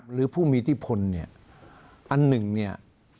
หรือผู้มีอิทธิพลเนี่ยอันหนึ่งเนี่ย